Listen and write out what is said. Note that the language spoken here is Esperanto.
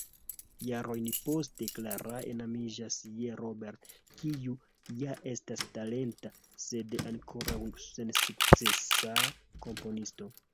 Jarojn poste Clara enamiĝas je Robert, kiu ja estas talenta, sed ankoraŭ sensukcesa komponisto.